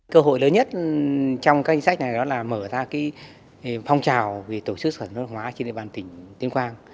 cơ hội lớn nhất trong các chính sách này là mở ra phong trào về tổ chức sản xuất hàng hóa trên địa bàn tỉnh tuyên quang